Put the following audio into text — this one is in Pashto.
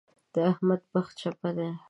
د احمد بخت چپه دی.